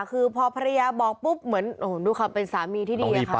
คือพอภรรยาบอกปุ๊บเหมือนดูความเป็นสามีที่ดีอะค่ะ